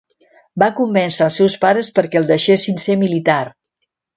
Va convèncer els seus pares perquè el deixessin ser militar.